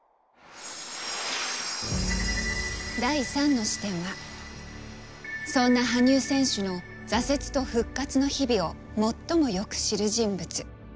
第３の視点はそんな羽生選手の挫折と復活の日々を最もよく知る人物。